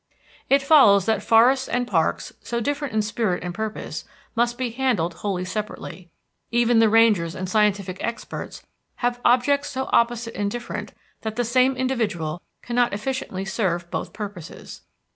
It follows that forests and parks, so different in spirit and purpose, must be handled wholly separately. Even the rangers and scientific experts have objects so opposite and different that the same individual cannot efficiently serve both purposes.